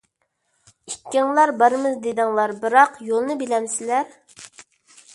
ئىككىڭلار بارىمىز دېدىڭلار، بىراق يولنى بىلەمسىلەر؟!